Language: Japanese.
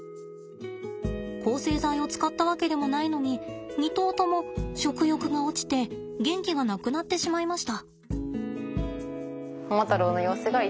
抗生剤を使ったわけでもないのに２頭とも食欲が落ちて元気がなくなってしまいました。